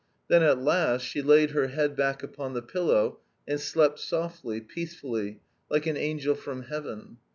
Then at last she laid her head back upon the pillow, and slept softly, peacefully, like an angel from Heaven.